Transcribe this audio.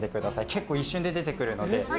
結構一瞬で出てくるので。